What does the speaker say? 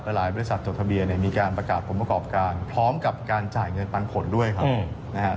แต่หลายบริษัทจดทะเบียนเนี่ยมีการประกาศผลประกอบการพร้อมกับการจ่ายเงินปันผลด้วยครับนะฮะ